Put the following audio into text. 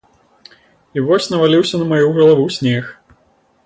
І вось наваліўся на маю галаву снег.